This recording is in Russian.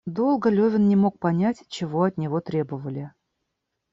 Долго Левин не мог понять, чего от него требовали.